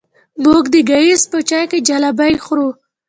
موږ د ګیځ په چای جلبۍ خورو.